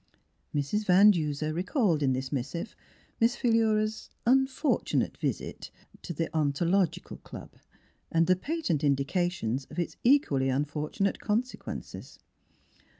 Mrs. Van Denser recalled in this missive Miss Philura's *' unfortunate visit'' to the Ontological Club, and the patent indications of its equally unfortunate consequences.